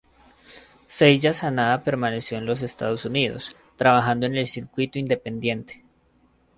Seiya Sanada permaneció en los Estados Unidos, trabajando en el circuito independiente.